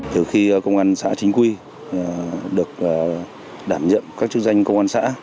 từ khi công an xã chính quy được đảm nhiệm các chức danh công an xã